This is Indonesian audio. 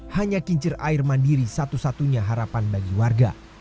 hanya kincir air mandiri satu satunya harapan bagi warga